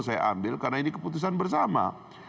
saya ambil karena ini keputusan bersama